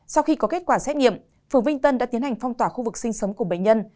sau khi có kết quả xét nghiệm phường vinh tân đã tiến hành phong tỏa khu vực sinh sống của bệnh nhân